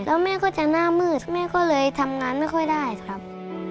แล้วแม่ก็จะหน้ามืดแม่ก็เลยทำงานไม่ค่อยได้ครับ